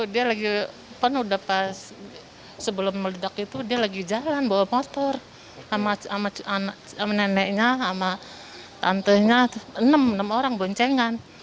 dia lagi penuh sebelum meledak itu dia lagi jalan bawa motor sama neneknya sama tantenya enam orang boncengan